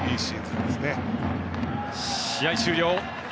試合終了。